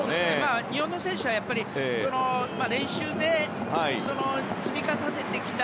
日本の選手は、練習で積み重ねてきた。